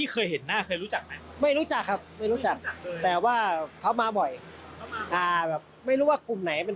เขาจะมีภาพใบ